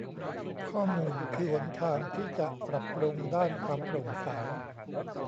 ข้อมูลคือหนทางที่จะปรับปรุงด้านความโปร่งใส